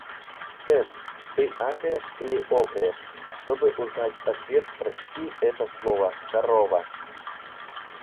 Тест: «Ты акаешь или окаешь?». Чтобы узнать ответ, прочти это слово: корова.